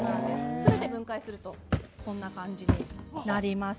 すべて分解するとこのような形になります。